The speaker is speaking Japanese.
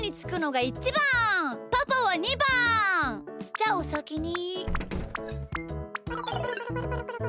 じゃおさきに。